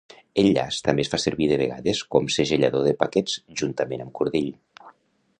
El llaç també es fa servir de vegades com segellador de paquets, juntament amb cordill.